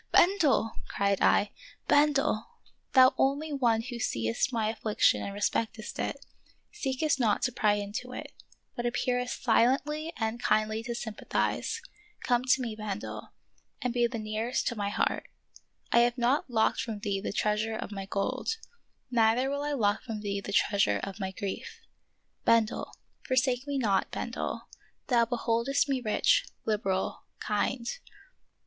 " Bendel !" cried I, " Bendel, thou only one who seest my affliction and respectest it, seekest not to pry into it, but appearest silently and kindly to of Peter Schlemihl. 29 sympathize, come to me, Bendel, and be the near est to my heart ; I have not locked from thee the treasure of my gold, neither will I lock from thee the treasure of my grief. Bendel, forsake me not. Bendel, thou beholdest me rich, liberal, kind.